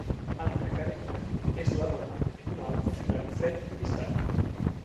Anna Karènina és la dona d'un alt funcionari fred i distant.